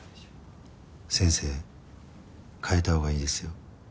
先生変えたほうがいいですよ。